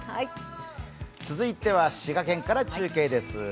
続いては、滋賀県から中継です。